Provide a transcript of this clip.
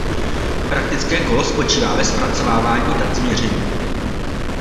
Praktické kolo spočívá ve zpracování dat z měření.